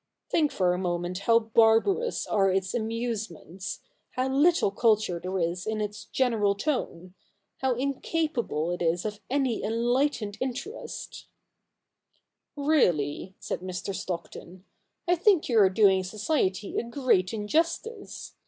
Think for a moment how barbarous are its amusements ; how little culture there is in its general tone ; how incapable it is of any enlightened interest 1 '' Really,' said Mr. Stockton, ' I think you are doing society a great injustice.